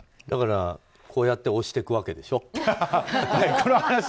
だからこうやって押してくわけでしょ。